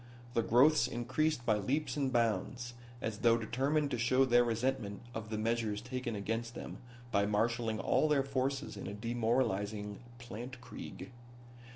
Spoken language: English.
The growths increased by leaps and bounds, as though determined to show their resentment of the measures taken against them by marshalling all their forces in a demoralizing plantkrieg.